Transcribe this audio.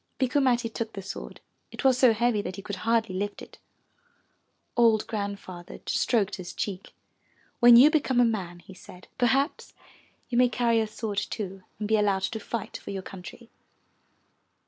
Bikku Matti took the sword; it was so heavy that he could hardly lift it. Old Grandfather stroked his cheek. "When you become a man," he said, "per haps you may carry a sword too, and be allowed to fight for your country.